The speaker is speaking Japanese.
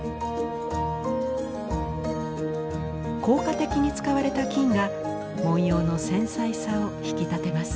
効果的に使われた金が文様の繊細さを引き立てます。